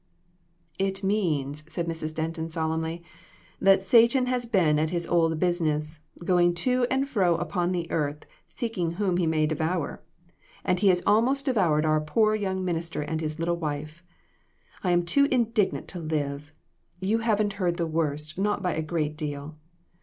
"It means," said Mrs. Denton, solemnly, "that Satan has been at his old business, going to and fro upon the earth, seeking whom he may devour ; and he has almost devoured our poor young min ister and his little wife. I am too indignant to live. You haven't heard the worst, not by a great deal.